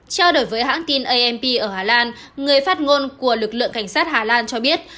trao đổi với hãng tin amp ở hà lan người phát ngôn của lực lượng cảnh sát hà lan cho biết